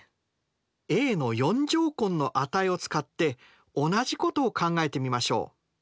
ａの４乗根の値を使って同じことを考えてみましょう。